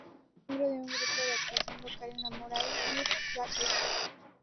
Fue miembro de un grupo de actuación local en el Moray Youth Theatre.